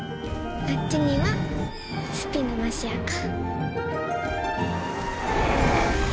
あっちにはスピノマシアカ。